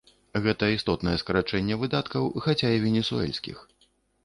Гэта істотнае скарачэнне выдаткаў, хаця і венесуэльскіх.